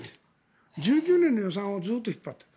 ２０１９年の予算をずっと引っ張っている。